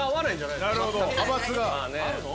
なるほど。